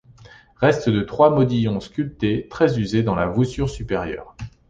Restes de trois modillons sculptés très usés dans la voussure supérieure.